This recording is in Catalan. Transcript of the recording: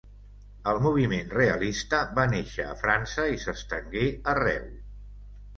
El moviment realista va néixer a França i s'estengué arreu.